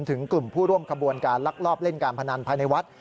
ถึงกลุ่มผู้ร่วมขบวนการลักลอบเล่นการพนันภายในวัด